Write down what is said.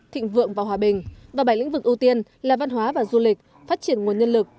thịnh vượng và hòa bình và bảy lĩnh vực ưu tiên là văn hóa và du lịch phát triển nguồn nhân lực